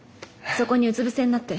そこにうつ伏せになって。